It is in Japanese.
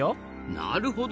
なるほど。